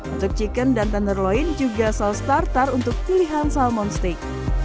untuk chicken dan tenderloin juga saus tartar untuk pilihan salmon steak